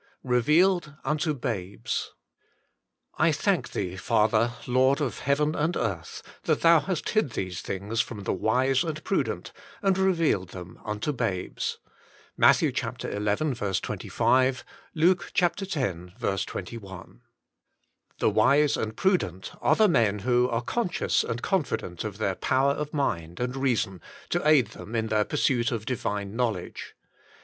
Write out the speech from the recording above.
XVI REVEALED UNTO BABES " I thank Thee, Father, Lord of heaven and earth, that Thou hast hid these things from the wise and prudent, and revealed them unto babes." — Matt. xi. 25 ; Luke x. 21. The wise and prudent are the men who are con scious and confident of their power of mind and reason to aid them in their pursuit of Divine Knowledge.